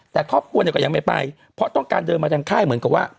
แต่ครอบครัวเนี่ยก็ยังไม่ไปเพราะต้องการเดินมาทางค่ายเหมือนกับว่า